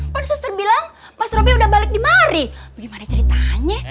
pada suster bilang mas robbie udah balik di mari bagaimana ceritanya